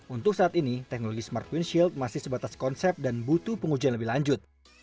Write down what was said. untuk saat ini teknologi smart windshield masih sebatas konsep dan butuh pengujian lebih lanjut